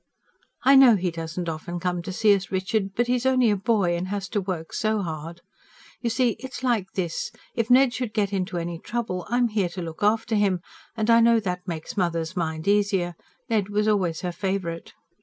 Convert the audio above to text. "I know he doesn't often come to see us, Richard. But he's only a boy; and has to work so hard. You see it's like this. If Ned should get into any trouble, I'm here to look after him; and I know that makes mother's mind easier Ned was always her favourite."